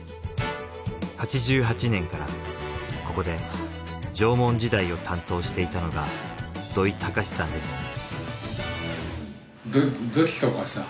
８８年からここで縄文時代を担当していたのが土肥孝さんです。